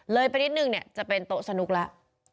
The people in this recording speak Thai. ไปนิดนึงเนี่ยจะเป็นโต๊ะสนุกแล้ว